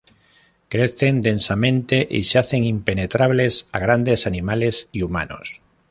Crecen densamente y se hacen impenetrables a grandes animales y humanos.